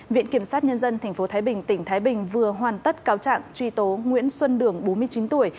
viện kiểm sát nhân dân tp thái bình tỉnh thái bình vừa hoàn tất cáo trạng truy tố nguyễn xuân đường bốn mươi chín tuổi